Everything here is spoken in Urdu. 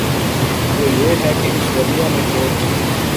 وہ یہ ہے کہ ایشوریا نے جو بھی